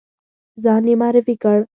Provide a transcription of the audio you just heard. ځان یې معرفي کړ.